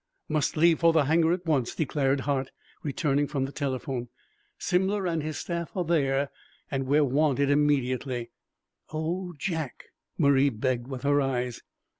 "Must leave for the hangar at once," declared Hart, returning from the telephone. "Simler and his staff are there and we are wanted immediately." "Oh, Jack!" Marie begged with her eyes.